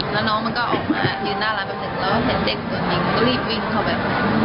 แล้วน้องมันก็ออกมายืนหน้าร้านแบบนี้แล้วเห็นเด็กตัวนี้ก็รีบวิ่งเข้าไป